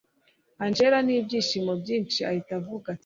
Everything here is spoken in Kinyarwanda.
angella nibyishimo byinshi ahita avuga ati